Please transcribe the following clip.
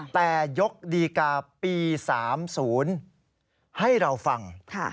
แต่ยกดีกาปี๓๐ให้เราฟัง